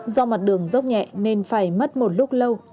do mặt đường dốc nhẹ nên phải mất một lúc lâu